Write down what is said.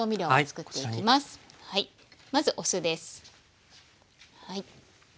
まずお酢ですはい。